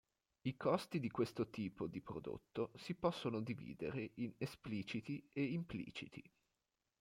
I costi di questo tipo di prodotto si possono dividere in espliciti e impliciti.